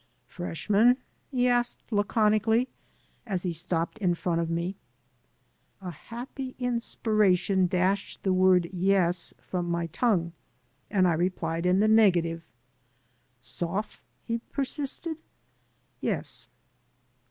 " Freshman? '^ he asked, laconically, as he stopped in front of me. A happy inspiration dashed the word "yes" from oflf my tongue, and I replied in the negative. "Soph?" he persisted. "Yes."